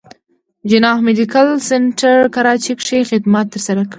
جناح ميډيکل سنټر کراچې کښې خدمات تر سره کړل